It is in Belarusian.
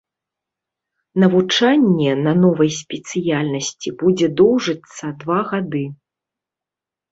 Навучанне на новай спецыяльнасці будзе доўжыцца два гады.